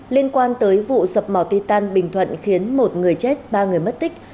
liên quan tới vụ sập mỏ titan bình thuận khiến một người chết ba người mất tích